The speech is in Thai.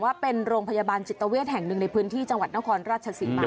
ว่าเป็นโรงพยาบาลจิตเวทแห่งหนึ่งในพื้นที่จังหวัดนครราชศรีมา